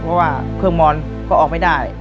เพราะว่าเครื่องมอนก็ออกไม่ได้